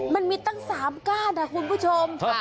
มันมีตั้งสามก้านคุณผู้ชมค่ะ